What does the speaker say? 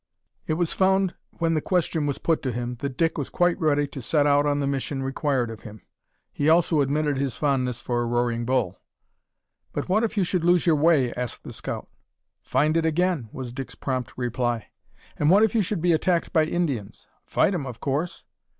It was found when the question was put to him, that Dick was quite ready to set out on the mission required of him. He also admitted his fondness for Roaring Bull! "But what if you should lose your way?" asked the scout. "Find it again," was Dick's prompt reply. "And what if you should be attacked by Indians?" "Fight 'em, of course."